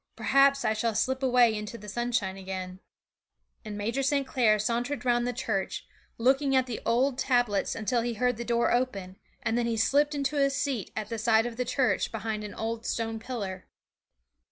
Perhaps I shall slip away into the sunshine again.' And Major St. Clair sauntered round the church, looking at the old tablets until he heard the door open, and then he slipped into a seat at the side of the church behind an old stone pillar.